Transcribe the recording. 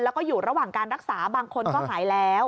แล้วก็อยู่ระหว่างการรักษาบางคนก็หายแล้ว